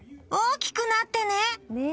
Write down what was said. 大きくなってね。